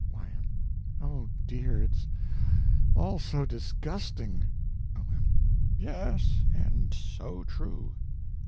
Y.M. Oh, dear, it's all so disgusting. O.M. Yes. And so true.